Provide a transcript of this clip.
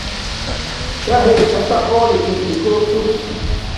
شݳ ہݵئ چھݳ تݳ ݳورِکِن تِکَݸہ تُس.